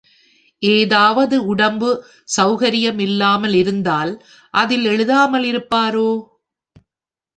ஏதாவது உடம்பு செளகரியமில்லாமல் இருந்தால் அதில் எழுதாமல் இருப்பாரோ?